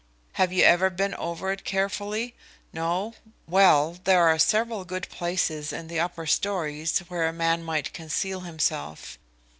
Have you ever been over it carefully? No. Well, there are several good places in the upper stories where a man might conceal himself.